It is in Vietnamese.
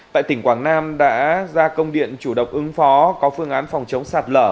tại tỉnh quảng nam đã ra công điện chủ động ứng phó có phương án phòng chống sạt lở